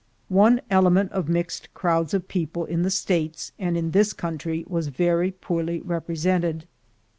One element of mixed crowds of people, in the States and in this country, was very poorly repre sented.